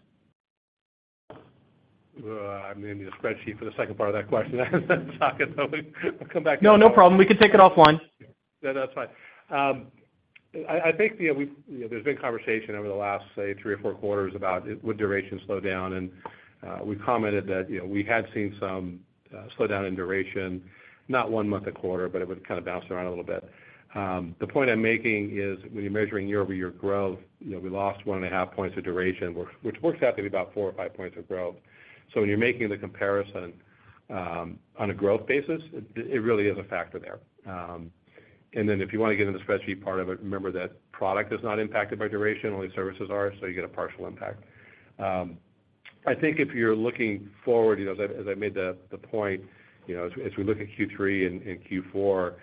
Well, I may need a spreadsheet for the second part of that question. I have to talk it, but we'll come back to that. No, no problem. We can take it offline. Yeah, tht's fine. I, I think, you know, we've-- you know, there's been conversation over the last, say, three or four quarters about it, would duration slow down? And, we commented that, you know, we had seen some slowdown in duration, not one month a quarter, but it would kind of bounce around a little bit. The point I'm making is, when you're measuring year-over-year growth, you know, we lost 1.5 points of duration, which, which works out to be about four or five points of growth. When you're making the comparison, on a growth basis, it really is a factor there. Then if you want to get into the spreadsheet part of it, remember that product is not impacted by duration, only services are, so you get a partial impact. I think if you're looking forward, you know, as I made the, the point, you know, as we look at Q3 and Q4,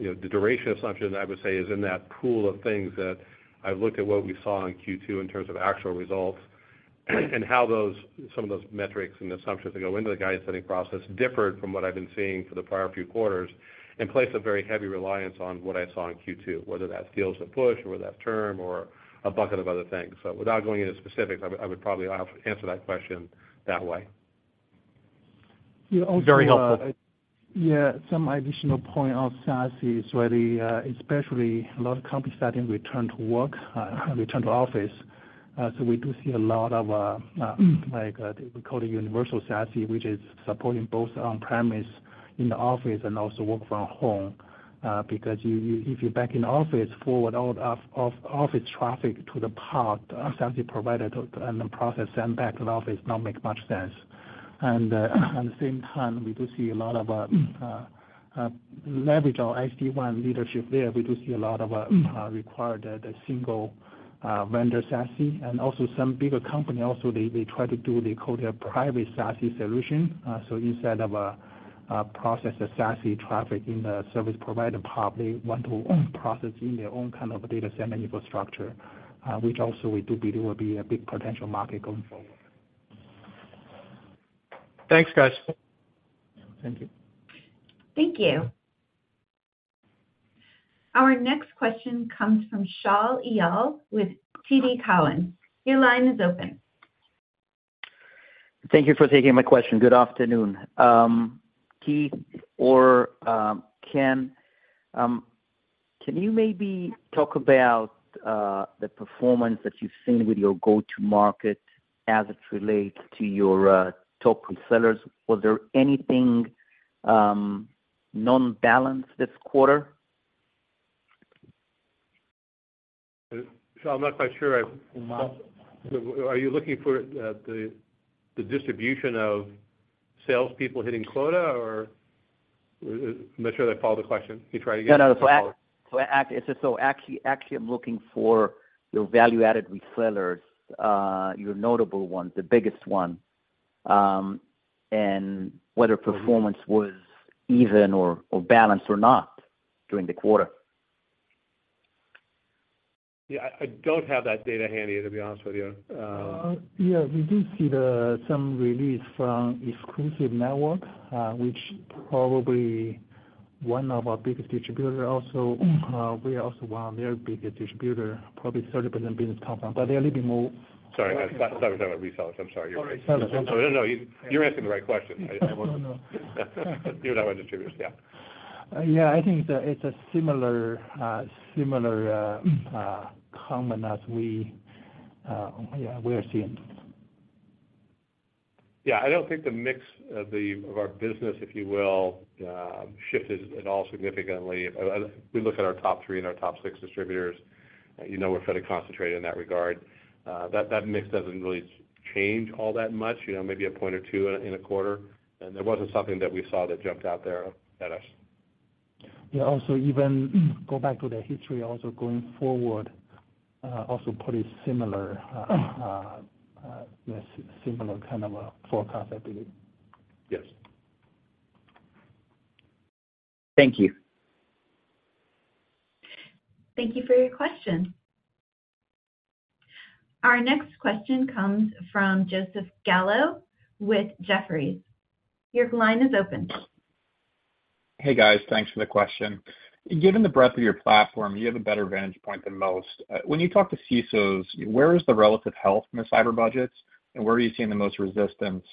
you know, the duration assumption, I would say, is in that pool of things that I've looked at what we saw in Q2 in terms of actual results, and how those some of those metrics and assumptions that go into the guidance-setting process differed from what I've been seeing for the prior few quarters, and place a very heavy reliance on what I saw in Q2, whether that deals with push or whether that's term or a bucket of other things. Without going into specifics, I would probably answer that question that way. Very helpful. Yeah, some additional point of SASE is where the. Especially a lot of companies starting return to work, return to office. We do see a lot of, like, we call it universal SASE, which is supporting both on premise in the office and also work from home. Because you, if you're back in the office, forward all of office traffic to the path, SASE provider, and the process send back to the office, not make much sense. At the same time, we do see a lot of, leverage our SD-WAN leadership there. We do see a lot of, required, a single, vendor SASE, and also some bigger company also, they try to do, they call their private SASE solution. Instead of a, a process of SASE traffic in the service provider path, they want to own process in their own kind of data center infrastructure, which also we do believe will be a big potential market going forward. Thanks, guys. Thank you. Thank you. Our next question comes from Shaul Eyal with TD Cowen. Your line is open. Thank you for taking my question. Good afternoon. Keith or Ken, can you maybe talk about the performance that you've seen with your go-to market as it relates to your top sellers? Was there anything non-balanced this quarter? I'm not quite sure. In my- Are you looking for, the, the distribution of salespeople hitting quota, or... I'm not sure I follow the question. Can you try it again? No, no. Actually, actually, I'm looking for your value-added resellers, your notable ones, the biggest one, and whether performance. Mm-hmm was even or, or balanced or not during the quarter. Yeah, I, I don't have that data handy, to be honest with you. Yeah, we do see the, some release from Exclusive Networks, which probably one of our biggest distributor also. We are also one of their biggest distributor, probably 30% business compound, but they're a little bit more- Sorry, I thought you were talking about resellers. I'm sorry. All right. No, no, you're asking the right question. I don't know about distributors. Yeah. Yeah, I think it's a, it's a similar, common as we, yeah, we are seeing. I don't think the mix of the, of our business, if you will, shifted at all significantly. We look at our top three and our top six distributors, you know, we're kind of concentrated in that regard. That mix doesn't really change all that much, you know, maybe a one or two in, in a quarter, and there wasn't something that we saw that jumped out there at us. Yeah, also even go back to the history, also going forward, also pretty similar, yes, similar kind of a forecast, I believe. Yes. Thank you. Thank you for your question. Our next question comes from Joseph Gallo with Jefferies. Your line is open. Hey, guys. Thanks for the question. Given the breadth of your platform, you have a better vantage point than most. When you talk to CISOs, where is the relative health in the cyber budgets, and where are you seeing the most resistance?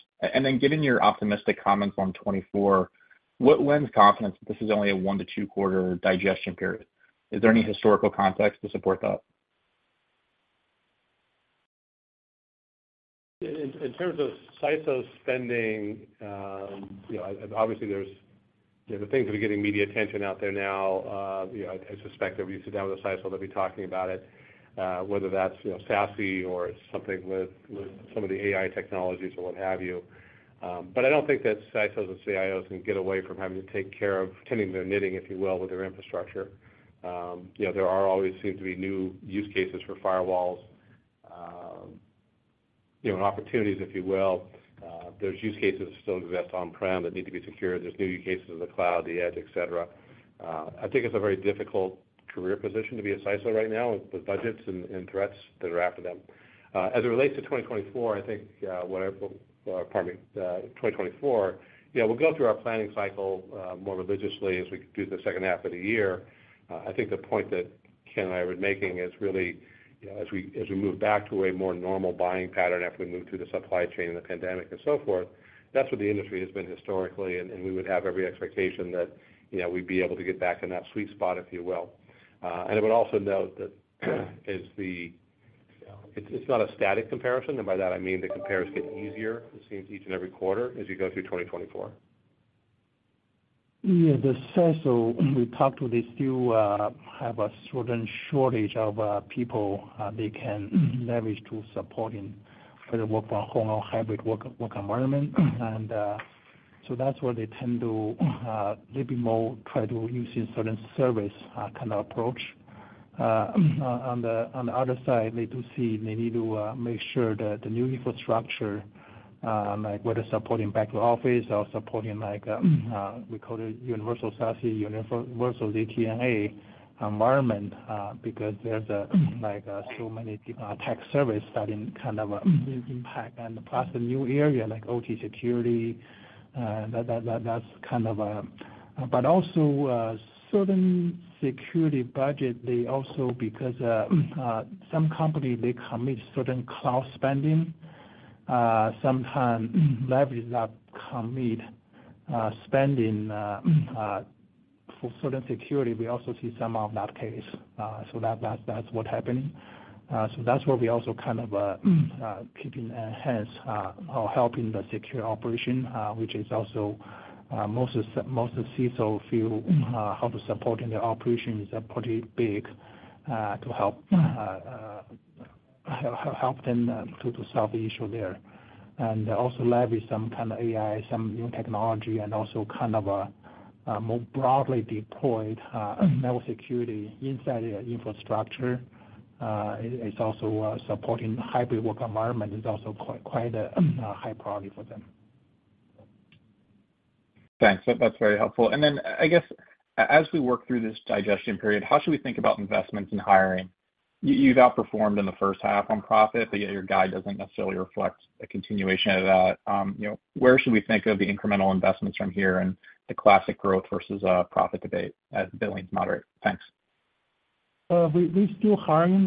Given your optimistic comments on 2024, what lends confidence that this is only a one to two quarter digestion period? Is there any historical context to support that? In terms of CISO spending, you know, obviously, Yeah, the things that are getting media attention out there now, you know, I, I suspect that if you sit down with a CISO, they'll be talking about it, whether that's, you know, SASE or something with some of the AI technologies or what have you. I don't think that CISOs and CIOs can get away from having to take care of tending their knitting, if you will, with their infrastructure. you know, there always seem to be new use cases for firewalls, you know, and opportunities, if you will. There are use cases still that's on-prem that need to be secured. There are new use cases in the cloud, the edge, et cetera. I think it's a very difficult career position to be a CISO right now with, with budgets and, and threats that are after them. As it relates to 2024, I think, whatever, pardon me, 2024, yeah, we'll go through our planning cycle, more religiously as we do the second half of the year. I think the point that Ken and I were making is really, you know, as we move back to a more normal buying pattern after we move through the supply chain and the pandemic and so forth, that's what the industry has been historically, and we would have every expectation that, you know, we'd be able to get back in that sweet spot, if you will. I would also note that, as the, you know, it's not a static comparison, and by that I mean, the compares get easier it seems each and every quarter as you go through 2024. Yeah, the CISO we talked to, they still have a certain shortage of people they can leverage to support in further work from home or hybrid work, work environment. So that's where they tend to maybe more try to using certain service kind of approach. On the other side, they do see they need to make sure that the new infrastructure, whether supporting back to office or supporting we call it universal SASE, universal ZTNA environment, because there's a so many tech service that in kind of a impact. Plus the new area, like OT security, that's kind of. Also, certain security budget, they also, because, some company, they commit certain cloud spending, sometime leverage that commit spending for certain security, we also see some of that case. That's what happening. That's where we also kind of keeping our hands or helping the secure operation, which is also most of CISO feel how to supporting their operations are pretty big to help them to solve the issue there. Also leverage some kind of AI, some new technology, and also kind of a more broadly deployed network security inside their infrastructure. It is also supporting hybrid work environment is also quite a high priority for them. Thanks. That's very helpful. Then I guess, as we work through this digestion period, how should we think about investments in hiring? You've outperformed in the first half on profit, but yet your guide doesn't necessarily reflect a continuation of that. You know, where should we think of the incremental investments from here and the classic growth versus profit debate as billings moderate? Thanks. We're still hiring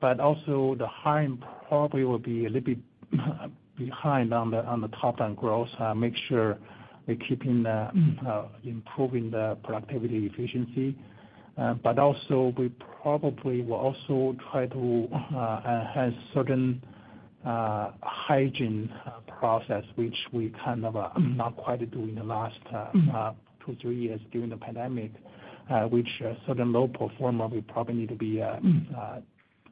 but also, the hiring probably will be a little bit behind on the top line growth. Make sure we're keeping, improving the productivity efficiency. But also, we probably will also try to enhance certain hygiene process, which we kind of not quite doing the last two, three years during the pandemic. Which certain low performer, we probably need to be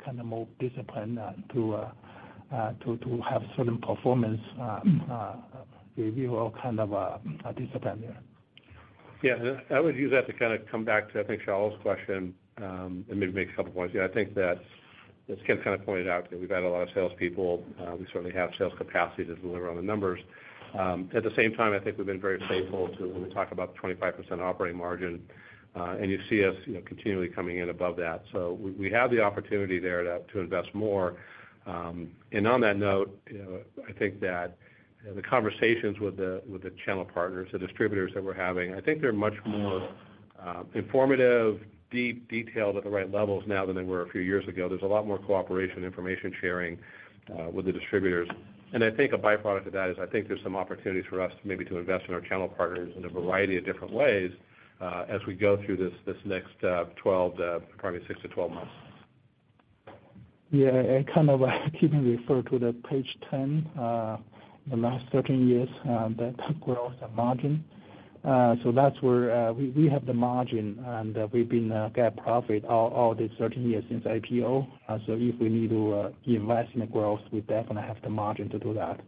kind of more disciplined to have certain performance review or kind of a discipline there Yeah, I would use that to kind of come back to, I think, Shaul's question, and maybe make a couple points. Yeah, I think that as Ken kind of pointed out, that we've had a lot of salespeople, we certainly have sales capacity to deliver on the numbers. At the same time, I think we've been very faithful to when we talk about the 25% operating margin, and you see us, you know, continually coming in above that. We, we have the opportunity there to, to invest more. And on that note, you know, I think that, you know, the conversations with the, with the channel partners, the distributors that we're having, I think they're much more informative, deep, detailed at the right levels now than they were a few years ago. There's a lot more cooperation, information sharing, with the distributors. I think a byproduct of that is, I think there's some opportunities for us maybe to invest in our channel partners in a variety of different ways, as we go through this, this next, 12, probably six to 12 months. Yeah, kind of, keeping refer to the page 10, the last 13 years, the top growth and margin. So that's where we have the margin, and we've been get profit all these 13 years since IPO. So if we need to invest in the growth, we definitely have the margin to do that.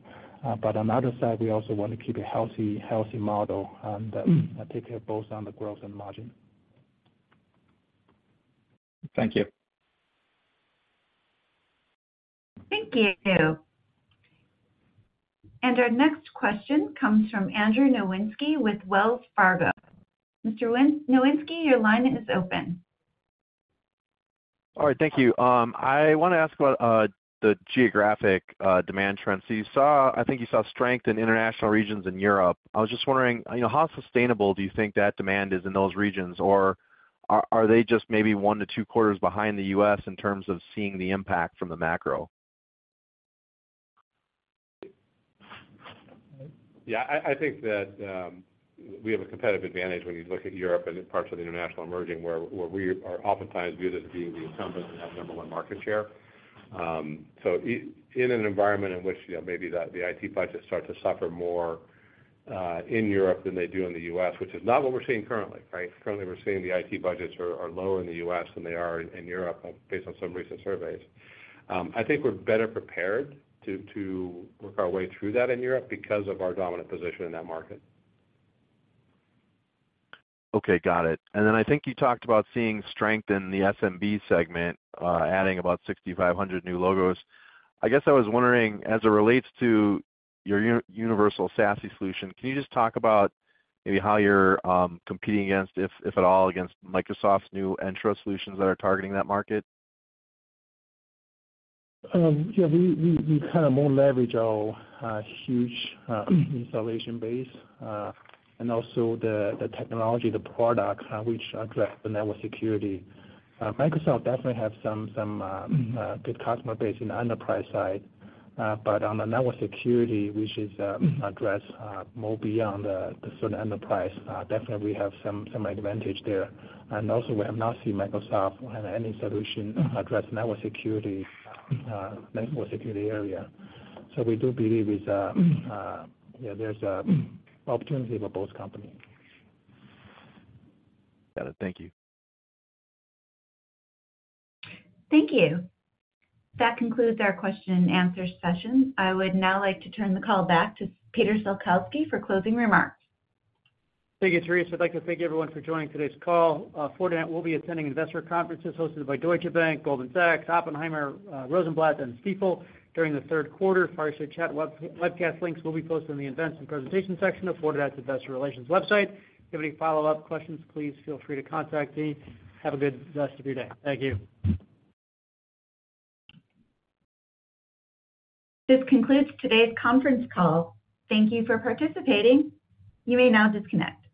But on the other side, we also want to keep a healthy model, and take care of both on the growth and margin. Thank you. Thank you. Our next question comes from Andrew Nowinski with Wells Fargo. Mr. Nowinski, your line is open. All right. Thank you. I want to ask about the geographic demand trends. You saw, I think you saw strength in international regions in Europe. I was just wondering, you know, how sustainable do you think that demand is in those regions, or are they just maybe one to two quarters behind the U.S. in terms of seeing the impact from the macro? Yeah, I, I think that, we have a competitive advantage when you look at Europe and parts of the international emerging, where, where we are oftentimes viewed as being the incumbent and have number one market share. So in an environment in which, you know, maybe the, the IT budgets start to suffer in Europe than they do in the U.S., which is not what we're seeing currently, right? Currently, we're seeing the IT budgets are, are low in the U.S. than they are in Europe, based on some recent surveys. I think we're better prepared to, to work our way through that in Europe because of our dominant position in that market. Okay, got it. I think you talked about seeing strength in the SMB segment, adding about 6,500 new logos. I guess I was wondering, as it relates to your universal SASE solution, can you just talk about maybe how you're competing against, if at all, against Microsoft's new Entra solutions that are targeting that market? Yeah, we kind of more leverage our huge installation base and also the technology, the products, which address the network security. Microsoft definitely have some good customer base in the enterprise side. On the network security, which is address more beyond the certain enterprise, definitely we have some advantage there. We have not seen Microsoft have any solution address network security, network security area. We do believe it's, yeah, there's an opportunity for both companies. Got it. Thank you. Thank you. That concludes our Q&A session. I would now like to turn the call back to Peter Salkowski for closing remarks. Thank you, Teresa. I'd like to thank everyone for joining today's call. Fortinet will be attending investor conferences hosted by Deutsche Bank, Goldman Sachs, Oppenheimer, Rosenblatt, and Stifel during the third quarter. Further transcript webcast links will be posted in the events and presentation section of Fortinet's Investor Relations website. If you have any follow-up questions, please feel free to contact me. Have a good rest of your day. Thank you. This concludes today's conference call. Thank you for participating. You may now disconnect.